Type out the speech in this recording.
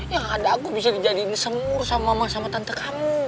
ya ada aku bisa dijadiin semur sama mama sama tante kamu